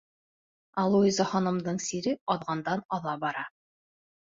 Ә Луиза ханымдың сире аҙғандан-аҙа бара.